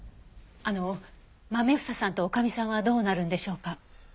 あのまめ房さんと女将さんはどうなるんでしょうか？